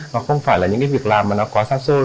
nó không phải là những việc làm quá xa xôi